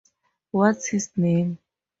What's his name?